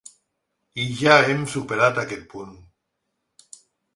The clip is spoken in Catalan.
I ja hem superat aquest punt.